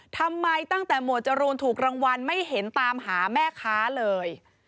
ทำไมตั้งแต่หมวดจรูนถูกรางวัลไม่เห็นตามหาแม่ค้าเลย